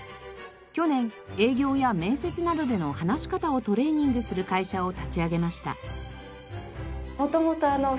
去年営業や面接などでの話し方をトレーニングする会社を立ち上げました。